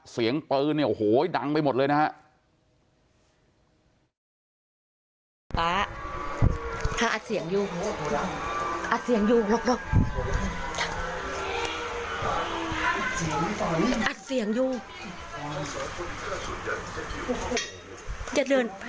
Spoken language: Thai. เสียงปืนเนี่ยโอ้โหดังไปหมดเลยนะฮะ